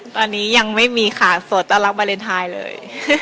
ตอนนี้ยังไม่มีค่ะโสดต้อนรับวาเลนไทยเลย